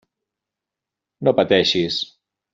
No pateixis.